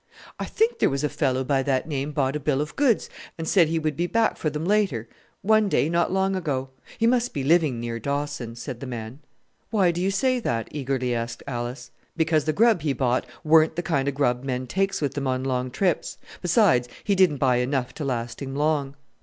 "I think there was a fellow by that name bought a bill of goods and said he would be back for them later, one day, not long ago. He must be living near Dawson," said the man. "Why do you say that?" eagerly asked Alice. "Because the grub he bought weren't the kind of grub men takes with them on long trips; besides, he didn't buy enough to last him long."